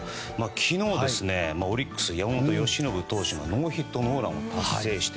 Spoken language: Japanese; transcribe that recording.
昨日オリックスの山本由伸投手がノーヒットノーランを達成。